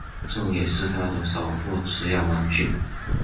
这也是他的首部主演网剧。